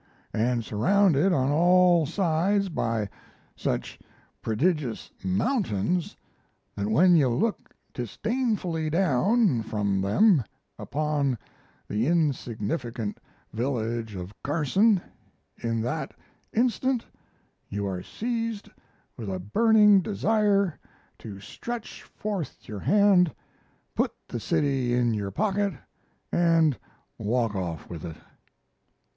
And surrounded on all sides by such prodigious mountains that when you look disdainfully down (from them) upon the insignificant village of Carson, in that instant you are seized with a burning desire to stretch forth your hand, put the city in your pocket, and walk off with it.